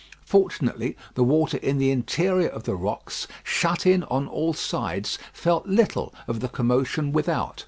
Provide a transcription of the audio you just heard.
Fortunately, the water in the interior of the rocks, shut in on all sides, felt little of the commotion without.